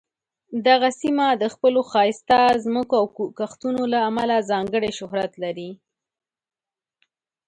دغه سیمه د خپلو ښایسته ځمکو او کښتونو له امله ځانګړې شهرت لري.